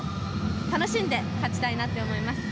楽しんで勝ちたいなって思います。